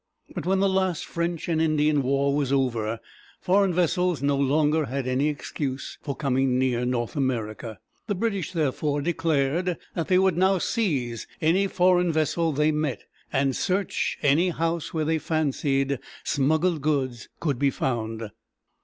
But when the last French and Indian War was over, foreign vessels no longer had any excuse for coming near North America. The British, therefore, declared they would now seize any foreign vessel they met, and search any house where they fancied smuggled goods could be found.